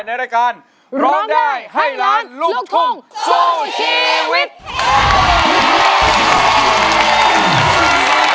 ในรายการร้องได้ให้ล้านลูกทุ่งสู้ชีวิต